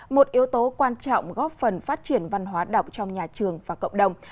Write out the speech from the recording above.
một yếu tố quan trọng góp phần phát triển văn hóa đọc trong nhà trường và cộng đồng